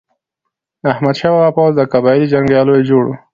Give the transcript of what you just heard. د احمد شاه بابا پوځ د قبایلو له جنګیالیو جوړ و.